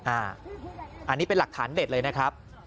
อันนี้เป็นหลักฐานเด็ดเลยนะครับ